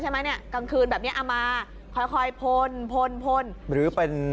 ใช่ไหมเนี่ยกลางคืนแบบเนี้ยเอามาค่อยค่อยพลพลพลหรือเป็น